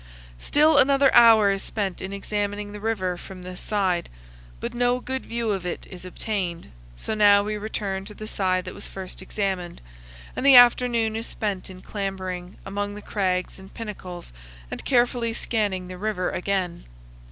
Still another hour is spent in examining the river from this side, but no good view of it is obtained; so now we return to the side that was first examined, and the afternoon is spent in clambering among the crags and pinnacles and carefully scanning the river again.